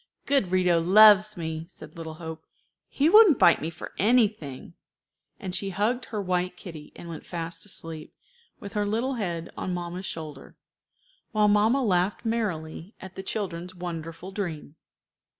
"Good Rito loves me," said little Hope; "he wouldn't bite me for anything;" and she hugged her white kitty, and went fast asleep, with her little head on mamma's shoulder, while mamma laughed merrily at the children's wonderful dream.